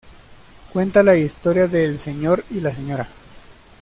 Cuenta la historia de el Sr. y la Sra.